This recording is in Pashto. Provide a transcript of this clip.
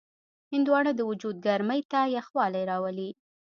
هندوانه د وجود ګرمۍ ته یخوالی راولي.